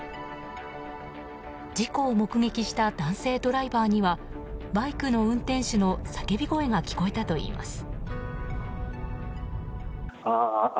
事故を目撃した男性ドライバーにはバイクの運転手の叫び声が聞こえたといいます。